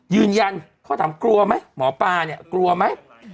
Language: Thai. ยืนยันเขาถามกลัวไหมหมอปลาเนี่ยกลัวไหม